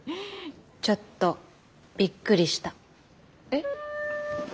ちょっとびっくりした。え？